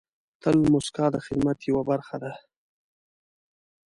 تل موسکا د خدمت یوه برخه ده.